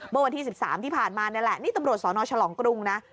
เมื่อวันที่๑๓ที่ผ่านมานี่แหละนี่ตำรวจสนฉลองกรุงนะ